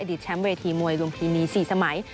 อดิษฐ์แชมป์เวทีมวยลุงพินีสี่สมัย